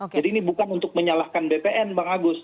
jadi ini bukan untuk menyalahkan bpn bang agus